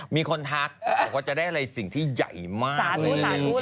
มีคนทักบอกว่าจะได้อะไรสิ่งที่ใหญ่มากเลย